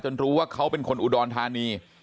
รู้ว่าเขาเป็นคนอุดรธานี